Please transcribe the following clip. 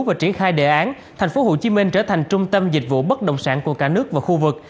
và triển khai đề án tp hcm trở thành trung tâm dịch vụ bất động sản của cả nước và khu vực